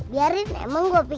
biarin emang gua pikirin